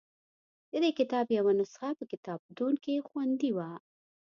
د دې کتاب یوه نسخه په کتابتون کې خوندي وه.